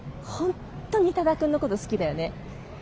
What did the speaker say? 本当に多田くんのこと好きだよね。